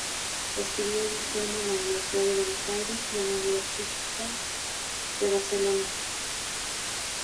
Estudió Edición en la Universidad de Buenos Aires y en la Universitat de Barcelona.